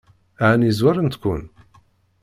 Ɛni zwarent-ken?